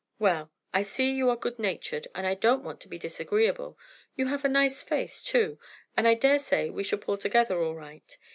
Well, I see you are good natured, and I don't want to be disagreeable. You have a nice face, too, and I dare say we shall pull together all right.